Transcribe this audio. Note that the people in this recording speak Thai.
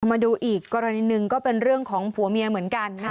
มาดูอีกกรณีหนึ่งก็เป็นเรื่องของผัวเมียเหมือนกัน